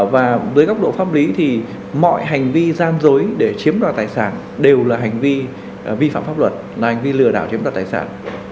và với góc độ pháp lý thì mọi hành vi gian dối để chiếm đoạt tài sản đều là hành vi vi phạm pháp luật là hành vi lừa đảo chiếm đoạt tài sản